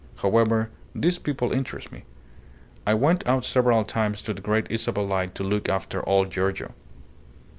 However, these people interest me. I went out several times to the Great Isabel light to look after old Giorgio."